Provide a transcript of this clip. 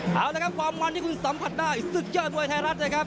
สวัสดีครับคุณสัมพันธ์ได้สุดยอดมวยไทยรัฐนะครับ